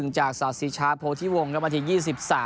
๒๑จากสาธิชาโพธิวงศ์แล้วมาที๒๓